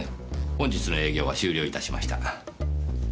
本日の営業は終了いたしました。